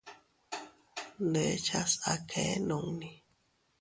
Ndechas a kee nunni.